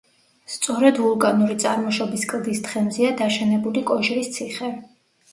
სწორედ ვულკანური წარმოშობის კლდის თხემზეა დაშენებული კოჟრის ციხე.